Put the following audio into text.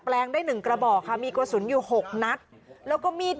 แปลงได้หนึ่งกระบอกค่ะมีกระสุนอยู่หกนัดแล้วก็มีด